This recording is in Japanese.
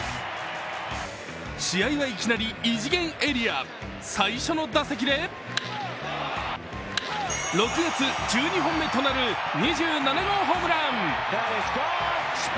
試合はいきなり異次元エリア最初の打席で６月１２本目となる２７号ホームラン。